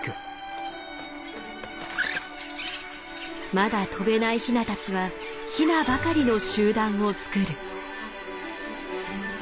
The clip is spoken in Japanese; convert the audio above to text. まだ飛べないヒナたちはヒナばかりの集団を作る。